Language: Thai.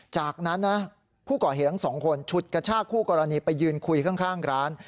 จากนั้นนะผู้ก่อเหตุทั้งสองคนฉุดกระชากคู่กรณีไปยืนคุยข้างร้าน